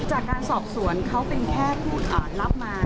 จากการสอบสวนเขาเป็นแค่ผู้รับมา